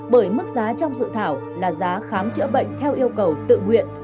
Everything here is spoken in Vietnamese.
bởi mức giá trong dự thảo là giá khám chữa bệnh theo yêu cầu tự nguyện